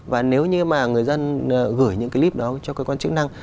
và nếu như mà người dân gửi những clip đó cho cơ quan chức năng